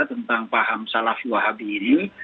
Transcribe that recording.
tentang paham salafi wahabi ini